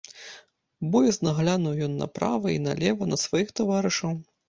Боязна глянуў ён направа і налева на сваіх таварышаў.